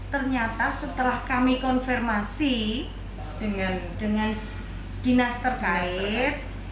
ternyata setelah kami konfirmasi dengan dinas terkait